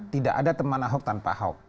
tidak ada teman ahok tanpa ahok